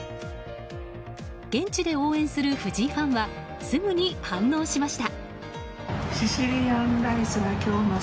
現地で応援する藤井ファンはすぐに反応しました。